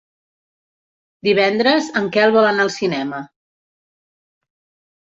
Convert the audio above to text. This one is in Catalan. Divendres en Quel vol anar al cinema.